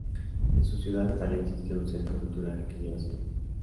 En su ciudad natal existe un centro cultural que lleva su nombre.